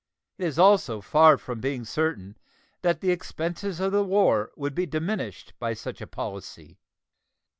It is also far from being certain that the expenses of the war would be diminished by such a policy.